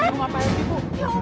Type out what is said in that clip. di rumah pak elvi bu